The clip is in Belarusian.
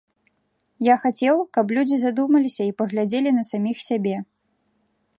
Я хацеў, каб людзі задумаліся і паглядзелі на саміх сябе.